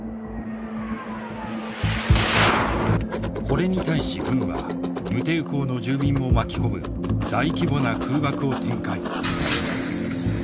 これに対し軍は無抵抗の住民も巻き込む大規模な空爆を展開。